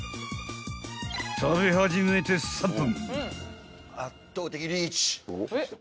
［食べ始めて３分］